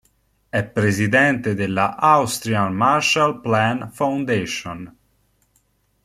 È presidente della Austrian Marshall Plan Foundation.